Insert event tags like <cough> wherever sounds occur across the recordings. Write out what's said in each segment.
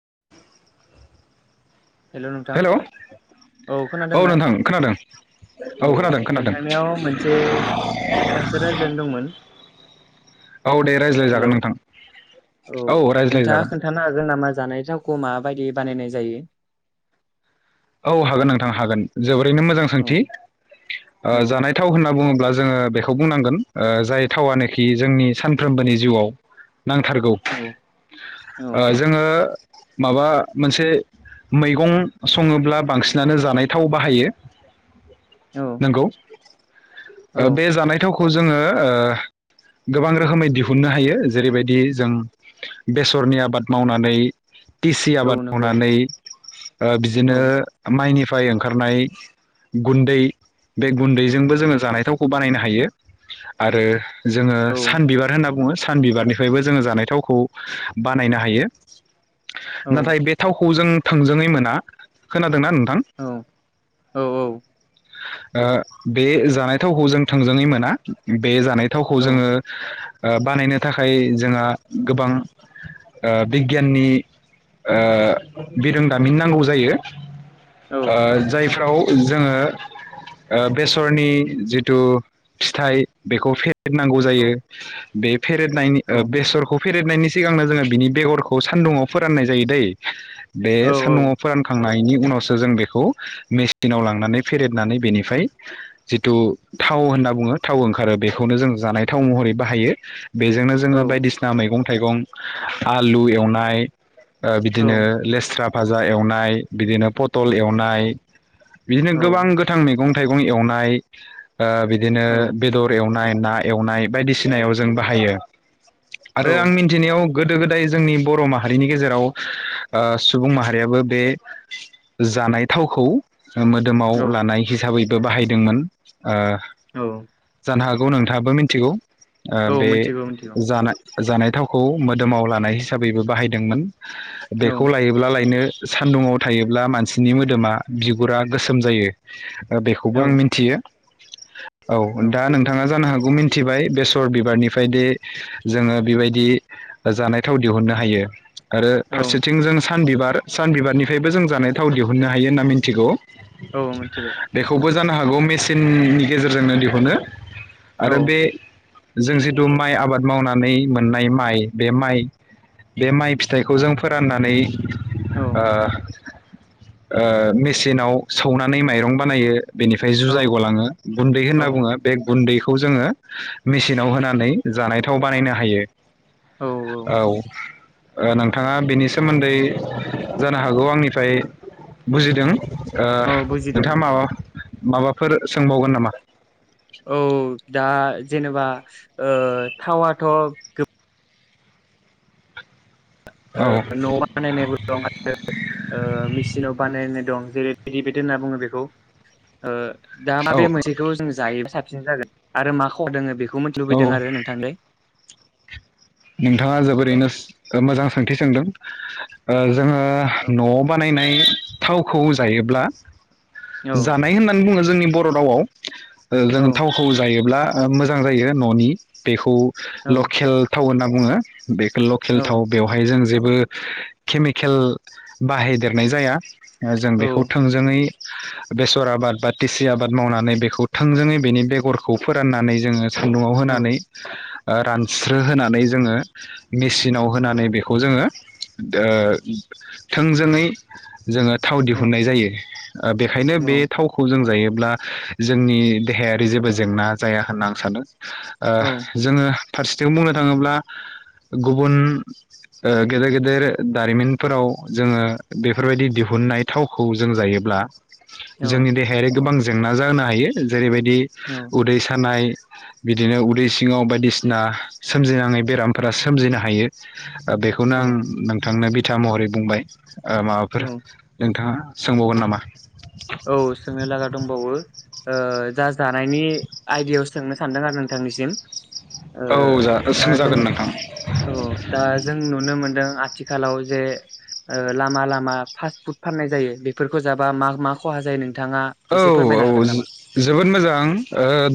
<inaudible> हेल नोंथां। औ खोनादों ना? नोंथां खोनादों औ खोनादों खोनादों नोंथांनियाव मोनसे खोथासो रायज्लायनो दंमोन। औ दे हेल। रायज्लायजागोन नोंथां औ नोंथाङा रायज्लायजागोन खोन्थानो हागोन नामा जानाय थावखौ माबायदि बानायनाय जायो? औ हागोन नोंथां हागोन जोबोद रैनो मोजां औ सोंथि। ओ औ जानाय थाव होन ना बुङोब्ला जोङो बेखौ बुंनांगोन ओ जाय थावानोखि जोंनि सानफ्रोमबोनि जिउआव नांथारगौ। औ औ ओ जोङो माबा मोनसे मैगं सङोब्ला बांसिनानो जानाय थाव बाहायो। औ नंगौ। ओ बे जानायथाव खौ जोङो ओ गोबां रोखोमै दिहुननो हायो जेरैबायदि जों बेसरनि आबाद मावनानै थिसि औ आबाद नंगौ मावनानै ओ औ बिदिनो माइनि फ्राय ओंखारनाय गुन्दै बे गुन्दैजोंबो जोङो जानाय थावखौ बानायनो हायो आरो जोङो औ सान बिबार होनना बुङो सान बिबारनिफ्रायबो जोङो जानाय थावखौ बानायनो हायो। औ नाथाय बे थाव खौ जों थोंजोङै मोना खोनादोंना नों थां औ ओ बे जानायथावखौ जों थोंजोङै मोना बे जानाय थावखौ औ जोङो ओ बानायनो थाखाय जोंहा गोबां ओ बिगियाननि ओ बिरोंदामिन नांगौ जायो। औ ओ जायफ्राव जोङो ओ बेसरनि जिथु फिथाइ बेखौ फे <unintelligible> नांगौ औ जायो। बे फेरेदनायनि ओ बेसरखौ - फेदेरनायनि सिगांनो जोंङो बिनि बेगरखौ सान्दुंआव फोराननाय जायो दै। बे सान्दुंआवफोरन नायनि उनावसो जों बेखौ मेसिनाव लांनानै फेरेदनानै बेनिफ्राय जिथु थाव होनना बुंङो थाव ओंखारो बेखौनो जों जानाय थाव महरै बाहायो। बेजोंनो जोंङो बायदिसिना मैगं थाइगं आलु एवनाय ओ बिदिनो लेस्राबो बाजा एवनाय बिदिनो पटल एवनाय बिदिनो गोबां गोथां मै गं थाइगं एवनाय ओ बिदिनो बेदर एव‌ नाय ना एवनाय बायदिसिनायाव जों बाहायो‌ आरो औ औ आं मिन्थिनायाव गोदो-गोदाय जोंनि बर माहारिनि गेजेराव ओ सुबुं माहारियाबो बे जानाय थावखौ मोदोमाव लानाय हिसाबै बाहायदोंमोन ओ औ। जानो हागौ नोंथाङाबो मिन्थिगौ। औ बे मिथिगौ मिथिगौ जानाय जानाय थावखौ मोदोमाव लानाय हिसाबैबो बाहायदोंमोन औ बेखौ लायोब्ला लायनो <inaudible> सान्दुङाव थायोब्ला मानसिनि मोदोमा बिगुरा गोसोम जायो। बेखौबो औ आं मिन्थियो। औ दा नोंथाङा जानो हाग बे मिन्थिबाय बेसर बिबारनिफ्रायदि जोङो बेबायदि जानाय थाव दिहुननो हायो आरो औ फारसेथिं जों सा सानबिबार सानबिबारनिफ्रायबो जों जानाय थाव दिहुननो हायो होनना मिन्थिगौ औ मिन्थिबाय बेखौबो जानो हागौ मेसिननि गेजेरजोंनो दिहुनो औ आरो बे जों जिथु माइ आबाद मावनानै मोननाय माइ बे माइ बे माइ फिथाइखौ जों फोराननानै औ ओ ओ मेसिनाव सौनानै माइरं बानायो बेनिफ्राय औ जुजाय गलाङो गुन्दै औ होनना बुङो बे गुन्दैखौ खौ जोङो मेसिनाव होनानै जानाय थाव बानायनो हायो। औ ओ नोंथाङा बेनि सोमोन्दै जानो हागौ आंनिफ्राय बुजिदों ओ औ बुजिदों नोंथाङा माबा माबाफोर सोंबावगोन नामा? औ दा जेनेबा ओ थावाथ गो औ ओ न'आव बानायनायबो दं आरो ओ मेसिनाव बानायनाय दं। जेरै <unintelligible> होनना बुङो बेखौ ओ दा औ माबे मोनसेखौ जों जायोबा साबसिन जागोन? आरो मा खहा दोङो बेख खौ मिथिनो लुबैदों औ आरो नोंथांनिफ्राय। नोंथाङा जोबोरैनो सो मोजां सोंथि सोंदों। ओ जोङो औ न'आव बानायना नाय थावखौ जायोब्ला औ जानाय होननानै बुङो ज जोंनि बर' रावआव ओ जों औ थावखौ जायोब्ला मोजां जायो न'नि बेखौ औ लखेल होनना बुङो। बेखौ लकेल औ थाव बेवहाय जों जे बो केमिकेल बाहायदेरनाय जाया। जों औ बेखौ थोंजोङै बेसर आबाद बा टिसि आबाद मावनानै बेखौ थोंजोङै बेनि बेगरखौ फोराननानै जोङो सुन्दुंआव औ होनानै रान स्रो होनानै जोङो मेसिनाव औ होनानै बेखौ जोङो ओ थोंजोङै जोङो थाव दिहुननाय जायो। बेखायनो बे औ थावखौ जों जायो। अब्ला जोंनि देहायारि जेबो जेंना जाया होनना आं सानो। ओ जोङो जों बुंनो थाङोब्ला गुबुन ओ गेदेर गेदेर दारिमिनफोराव जोङो बेफोरबायदि दिहुननाय थावखौ जों जायोब्ला जोंनि देहायारि गोबां जेंना जानो हायो। जेरैबाय दि उदै सानाय बिदिनो उदै सिङाव बायदिसिना सोमजिनाङै बेरामफोरा सोमजिनो हायो। बेखौनो आं औ नोंथांनो बि था महरै बुंबाय। माबाफोर औ नोंथाङा सोंबावगोन नामा? औ सोंनो लागा दंबावो। ओ दा जानायनि आइदायावसो सोंनो सानदों आरों नोंथांनिसिम। ओ औ जा दा जों सोंजागोन नोंथां औ दा जों नुनो मोनदों आथि थिखालाव जे लामा लामा फास फुड फाननाय जायो बेफोरखौ जाबा मा मा खहा जायो नों औ औ जोबोद मोजां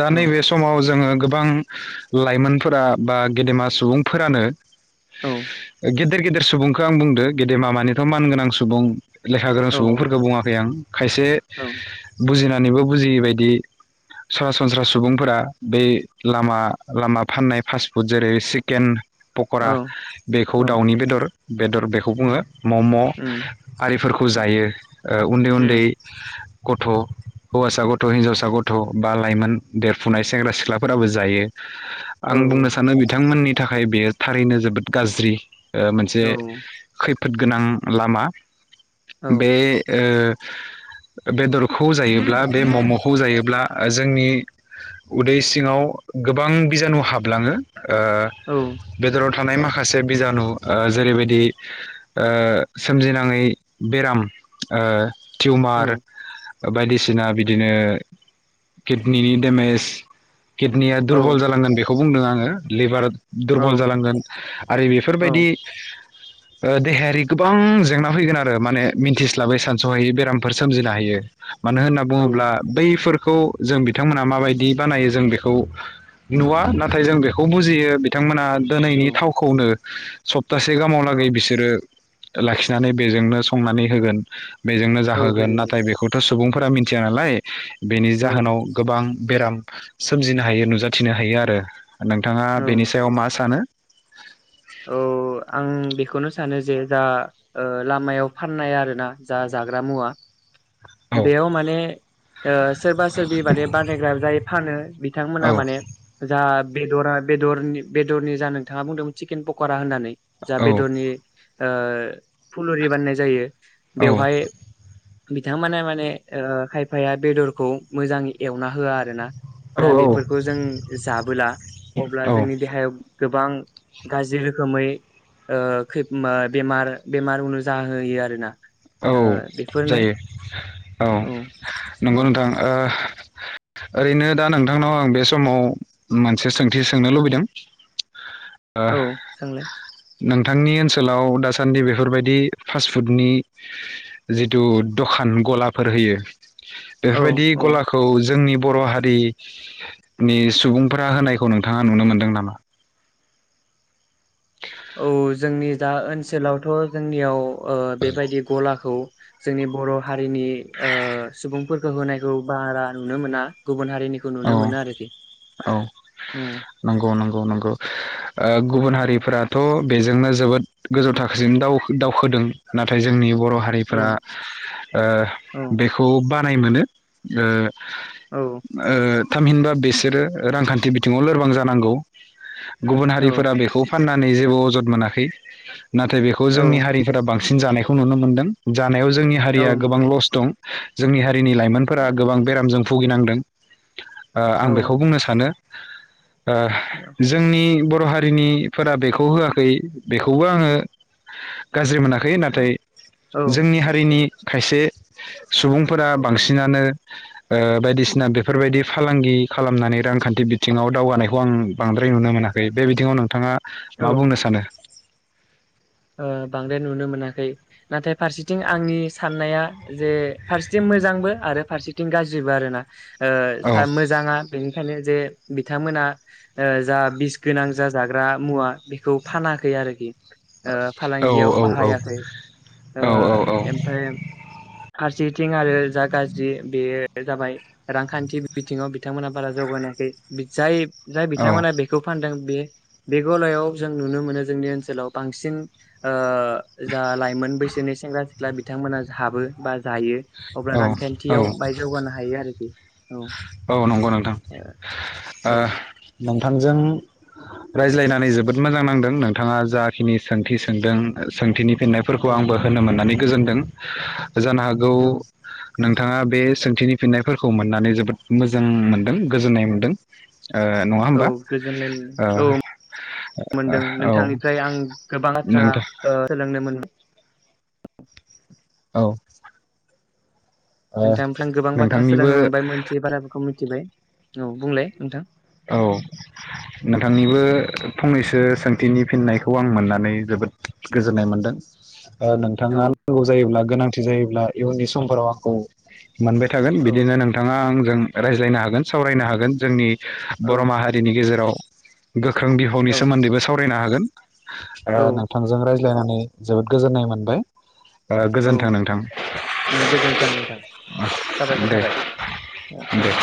दा औ नैबे समाव जोङो गोबां लाइमोनफोरा बा गेदेमा सुबुंफोरानो औ गेदेर गेदेर सुबुंखौ आं बुंदो गेदेमा मानिथ मानगोनां सुबुं लेखा गोरों औ सुबुंफोरखौ बुङाखै आं खायसे औ <inaudible> औ पकरा बेखौ औ दाउनि बेदर बेदर बेखौ बुङो मम उम आरिफोरखौ जायो उन्दै उम उन्दै गथ' हौवासा गथ' हिनजावसा गथ'बा लाइमोन देरफुनाय सेंग्रा सिख्लाफोराबो जायो। आं औ बुंनो सानो बिथांमोननि थाखाय बेयो थारैनो जोबोद गाज्रि मोनसे औ औ खै फोद गोनां लामा औ बे ओ <inaudible> बेदरखौ जायोब्ला बे ममखौ जायोब्ला जोंनि उदै सिङाव गोबां बिजानु हाबलाङो ओ औ बेद्र थानाय माखासे बिजानु ओ जेरैबायदि ओ सोमजिनाङै बेराम ओ औ टिउमार बायदिसिना बिदिनो किडनिनि डेमेज किदनिया औ दुरबल जालांगोन बेख खौ बुंदों आङो लेबार औ दुरबल जालांगोन आरो बेफोरबायदि औ ओ देहायारि गोबां जेंना फैगोन आरो माने मिन्थिस्लाबै सानसहायै बेरामफोर सोमजिनो हायो मानो होनना औ बुङोब्ला बैफोर खौ जों बिथांमोना माबायदि बानायो जों बेखौ नुवा नाथाय जों बेखौ बुजियो बिथांमोना दिनैनि थावखौनो सफ थासे गाहामावलागै बिसोरो लाखिनानै बेजोंनो संनानै होगोन बेजोंनो जाहोगोन होयो नाथ बेखौथ' सुबुंफोरा मिथिया नालाय बेनि होयो जाहोनाव गोबां बेराम सोमजिनो हायो नुजाथिनो हायो आरो नोंथाङा औ बेनि सायाव मा सानो खौनो सानो जे जा ओ लामायाव फाननाय आरोना जा जाग्रा मुवा औ बेयाव माने ओ सोरबा सोरबि माने बानायायग्रा जाय फानो औ बिथांमोना माने जा बेदरा बेदरनि बेदरनि जा नोंथाङा बुंदोंमोन चिकेन पकरा होननानै जा औ बेदरनि ओ फुलुरि बाननाय जायो। औ बेवहाय बिथांमोना माने ओ खायफाया बेदरखौ मोजाङै एवना होआ आरो ना। दा औ औ बेफोरखौ जों जाबोला अब्ला औ जोंनि देहायाव गोबां गाज्रि रोखोमै ओ खैब ओम बेमार बेमार उनुजाहोयो आरोना। औ ओ बेफोरनो जायो औ नंगौ औ नोंथां ओ ओरैनो दा नोंथांनाव आं बे समाव मोनसे सोंथि सोंनो लुबैदों। ओ औ सोंलाय। नोंथांनि ओनसोलाव दासान्दि बेफोरबायदि फास्टफुडनि जिथु दखान गलाफोर होयो औ बेफोरबायदि औ गलाखौ जोंनि बर' हारि नि सुबुंफोरा होनायखौ नोंथाङा नुनो मोनदों नामा? औ जोंनि दा ओनसोलावथ' जोंनियाव ओ बेबायदि गलाखौ जोंनि बर' हारिनि ओ सुबुंफोरखौ होनायखौ बारा नुनो मोना गुबुन हारि औ औ औ नंगौ नंगौ नंगौ ओ गुबुन औ हारिफोराथ' बेजोंनो जोबोद गोजौ थाखोसिम दाव दावखोदों नाथाय जोंनि बर' औ हारिफोरा ओ औ बेखौ बा नाय मोनो ओ औ। ओ थामहिनबा बेसोरो रांखान्थि बिथिङाव लोरबां जानांगौ। गुबुन औ हारिफोरा बेखौ फानना नै जेबो अजद मोनाखै। नाथाय बेखौ औ जोंनि हारिफोरा बां सिन जानायखौ नुनो मोनदों जा नायाव जोंनि औ हारिया गोबां लस दं। जोंनि हाय जोंनि लाइमोनफोरा गोबां बेरामजों भुगिनांदों। ओ आं बेखौ बुंनो सानो ओ जोंनि बट बर' हारिनिफोरा बेखौ होआखै बेखौबो आङो गाज्रि मोना खै नाथाय औ जोंनि हारिनि खायसे सुबुंफोरा बांसिनानो ओ बायदिसिना बेफ फोरबायदि फालांगि खालामनानै रांखान्थि बिथिङाव दावगानायखौ आं बांद्राय नुनो मोनाखै बे बिथिङाव नोंथाङा औ मा बुंनो सानो? ओ बांद्राय नुनो मोनाखै नाथाय फारसेथिं आंनि साननाया जे फारसेथिं मोजांबो आरो फारसेथिं गाज्रिबो आरोना। औ ओ मोजाङा बेनिखायनो जे बिथांमोना ओ जा बिस गोनां जा जाग्रा मुवा बेखौ फानाखै आरोखि। ओ औ फालांगियाव औ औ बाहायाखै ओ औ औ औ ओमफ्राय फार सेथिं आरो जा गाज्रि बेयो जाबाय रांखान्थि बिथिङाव बिथांमोना बारा जौगानो हायाखै जाय जाय औ बिथांमोना बेखौ फानदों बे बे गलायाव जों नुनो मोनो जोंनि ओनसोलाव बांसिन ओ जा लाइमोन बैसोनि सेंग्रा सि ख्ला बिथांमोना हाबो बा जायो अब्ला औ औ रांखान्थियाव बाय जौगानो हायो आरोखि औ औ नंगौ नोंथां ओ ओ औ नोंथांजों रायज्लायनानै जोबोद मोजां नांदों नोंथाङा जाखिनि सोंथि सोंदों सोंथिनि फिननायफोरखौ औ आंबो होनो मोननानै गोजोनदों जानो हागौ औ नोंथाङा बे सोंथिनि फिननायफोरखौ मोननानै जोबोद मोजां मोनदों गोजोननाय मोनदों ओ नङा औ होमबा गोजोननाय मोन ओ औ मोनदों औ नोंथांनिफ्राय आं गोबां बाथ्रा नोंथां ओ सोलोंनो मोन <inaudible> औ ओ नोंथांनिफ्राय आं गोबां बाथ्रा नोंथांनिबो सोलोंनो मोनबाय मोनथियै बाराफोरखौ मिथिबाय औ बुंलाय नोंथां औ नोंथांनिबो फंनैसो सोंथिनि फिननायखौ आं मोननानै जोबोद गोजोननाय मोनदों औ नोंथाङा नांगौ जायोब्ला गोनांथि जायोब्ला इयुननि समफोराव आंखौ मोनबाय थागोन औ बिदिनो नोंथाङा आंजों रायज्लायनो हागोन सावरायनो हागोन जोंनि औ बर' माहारिनि गेजेराव गोख्रों बिफावनि औ सोमोन्दैबो सावरायना हागोन। ओ नोंथांजों रायज लायनानै जोबोद गोजोन्नाय मोनबाय। ओ औ गोजोनथों नोंथां गोजोन्थों नोंथां साबायखर <inaudible> दे थाबाय दे। थेंकिउ